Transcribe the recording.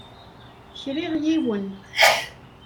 Kriɣ yiwen.